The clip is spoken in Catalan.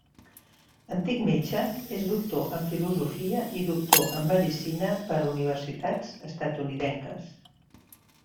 Antic metge, és doctor en filosofia i doctor en medicina per universitats estatunidenques.